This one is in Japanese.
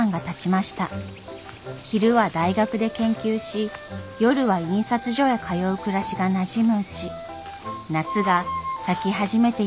昼は大学で研究し夜は印刷所へ通う暮らしがなじむうち夏が咲き始めていました。